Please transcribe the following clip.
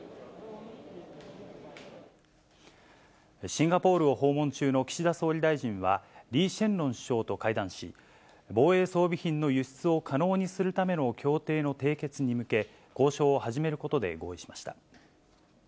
シンガポールを訪問中の岸田総理大臣は、リー・シェンロン首相と会談し、防衛装備品の輸出を可能にするための協定の締結に向け、交渉を始めることで合意しました。